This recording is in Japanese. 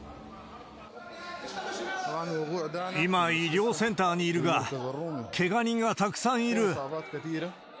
今、医療センターにいるが、けが人がたくさんいる。